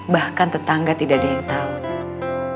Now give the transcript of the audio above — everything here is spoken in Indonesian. bahkan tetangga tidak diketahui